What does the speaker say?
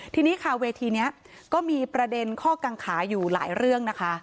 ทีนี้ค่ะเวทีนี้ก็มีประเด็นข้อกังขาอยู่หลายเรื่องนะคะ